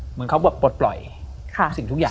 เหมือนเขาปลดปล่อยทุกสิ่งทุกอย่าง